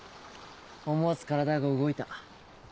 思わず体が動いた。